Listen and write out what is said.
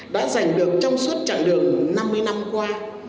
đã giành được trong suốt chặng đường năm mươi năm qua